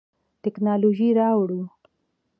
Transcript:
تکنالوژي راوړو.